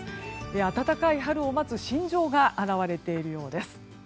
暖かい春を待つ心情が表れているようです。